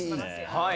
はい。